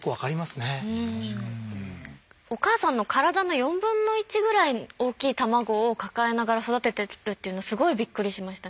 お母さんの体の４分の１ぐらい大きい卵を抱えながら育ててるっていうのすごいびっくりしました。